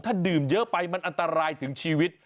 ถ้าดื่มเยอะไปมันอันตรายถึงชีวิต